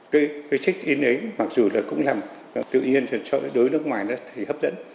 cái trích ý ấy mặc dù là cũng làm tự nhiên cho đối nước ngoài thì hấp dẫn